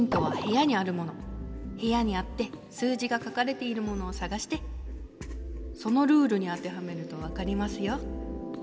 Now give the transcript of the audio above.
部屋にあって数字が書かれているものをさがしてそのルールに当てはめると分かりますよ。